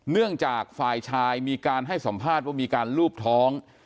เนื่องจากฝ่ายชายมีการให้สัมภาษณ์ว่ามีการลูบท้อง